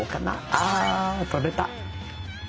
あ取れた。